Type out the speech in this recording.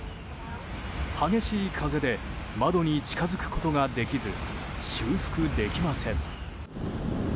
激しい風で窓に近づくことができず修復できません。